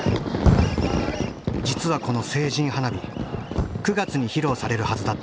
実はこの成人花火９月に披露されるはずだった。